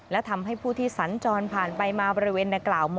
และทำให้ผู้ที่สัญจรผ่านไปมาบริเวณดังกล่าว